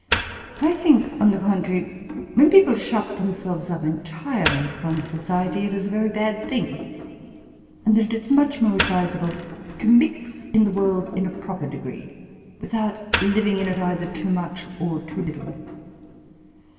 I tiiink, on the contrary, when people shut themselves up entirely firom so ciety, it is a Yery bad thing ; and that it is much more advisable to mix in the worid in a proper degree, without living in it either too much or too little.